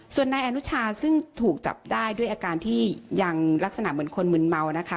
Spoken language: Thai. ส่วนนายอนุชาซึ่งถูกจับได้ด้วยอาการที่ยังลักษณะเหมือนคนมึนเมานะคะ